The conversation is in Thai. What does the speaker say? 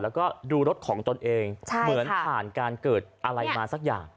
แล้วก็ดูรถของตนเองเหมือนผ่านการเกิดอะไรมาสักอย่าง